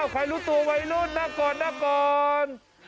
ใครรู้ตัวไวรุ่นนักกร